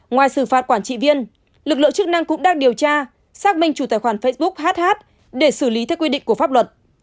ngoài xử phạt quản trị viên lực lượng chức năng cũng đang điều tra xác minh chủ tài khoản facebook hh để xử lý theo quy định của pháp luật